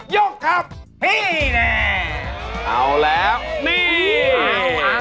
ยกครับพี่แดนเอาแล้วนี่เอานะ